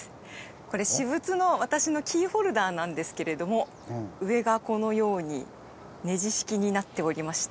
これ私物の私のキーホルダーなんですけれども上がこのようにネジ式になっておりまして。